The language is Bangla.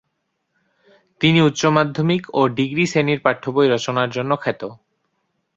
তিনি উচ্চমাধ্যমিক ও ডিগ্রী শ্রেণির পাঠ্যবই রচনার জন্য খ্যাত।